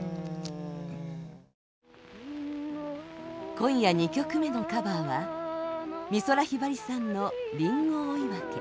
今夜２曲目のカバーは美空ひばりさんの「リンゴ追分」。